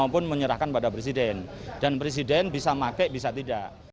presiden bisa pakai bisa tidak